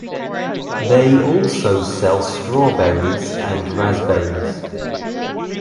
They also sell strawberries and raspberries.